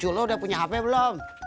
cucu lo udah punya hp blom